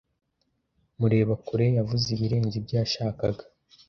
mureba kure yavuze ibirenze ibyo yashakaga.